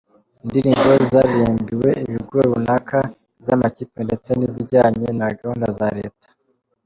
indirimbo zaririmbiwe ibigo runaka, iz’ amakipe ndetse n’ izijyanye na gahunda za leta.